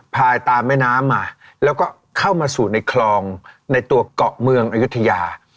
พายตามแม่น้ำมาแล้วก็เข้ามาสู่ในคลองในตัวเกาะเมืองอายุทยา